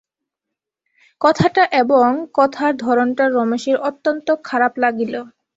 কথাটা এবং কথার ধরনটা রমেশের অত্যন্ত খারাপ লাগিল।